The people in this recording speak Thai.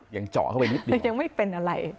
ยังไม่เป็นอะไร